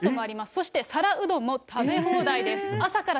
そして皿うどんも食べ放題です。